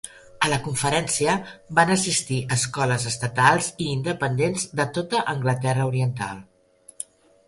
A la conferència van assistir escoles estatals i independents de tota Anglaterra Oriental.